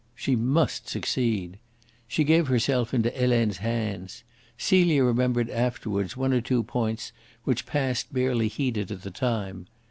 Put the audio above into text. She must succeed. She gave herself into Helene's hands. Celia remembered afterwards one or two points which passed barely heeded at the time.